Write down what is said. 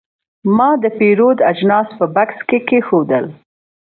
ما د پیرود اجناس په بکس کې کېښودل.